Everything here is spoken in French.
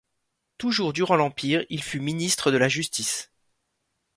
Toujours durant l'Empire il fut ministre de la Justice.